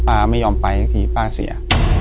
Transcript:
ป้าไม่ยอมไปทีป้าเสีย